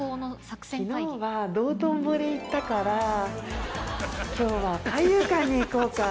昨日は道頓堀行ったから今日は海遊館に行こうか。